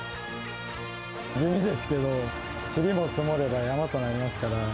地味ですけど、ちりも積もれば山となりますから。